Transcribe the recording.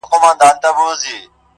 o تنها نوم نه چي خصلت مي د انسان سي,